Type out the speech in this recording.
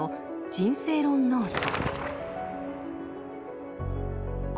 「人生論ノート」。